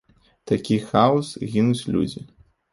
Такі хаос, гінуць людзі.